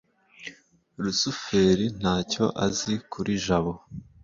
rusufero ntacyo azi kuri jabo